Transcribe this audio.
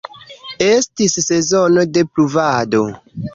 Estis sezono de pluvado.